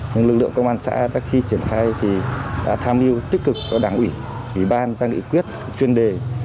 những lực lượng công an xã đã khi triển khai thì đã tham dự tích cực của đảng ủy ủy ban gia nghị quyết chuyên đề